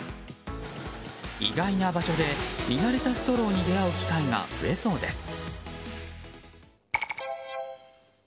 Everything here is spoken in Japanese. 意外な場所で見慣れたストローに出会う機会が増えそうです。